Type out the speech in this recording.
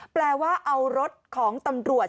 แปลว่าเอารถของตำรวจ